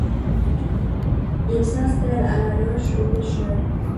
Ils s’installaient à la Roche aux Pêcheurs.